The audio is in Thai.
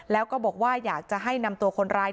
แล้วก็บอกว่าอยากจะให้นำตัวคนร้าย